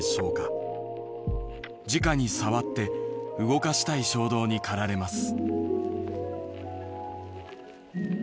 じかに触って動かしたい衝動に駆られます」。